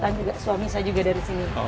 dan juga suami saya juga dari sini